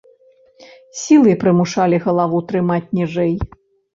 Сілай прымушалі галаву трымаць ніжэй.